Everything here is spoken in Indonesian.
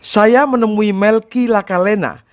saya menemui melki lakalena